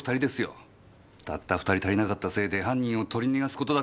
たった２人足りなかったせいで犯人を取り逃がす事だってある！